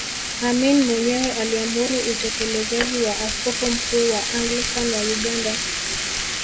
Amin mwenyewe aliamuru utekelezaji wa Askofu Mkuu wa Anglican wa Uganda